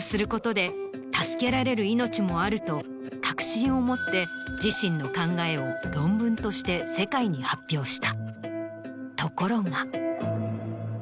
と確信をもって自身の考えを論文として世界に発表した。